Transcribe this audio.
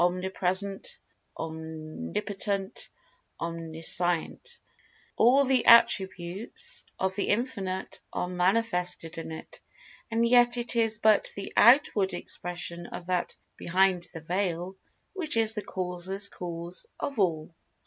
Omnipresent; Omnipotent; Omniscient—all the attributes of The Infinite are manifested in it—and yet it is but the outward expression of That Behind the Veil, which is the Causeless Cause of All.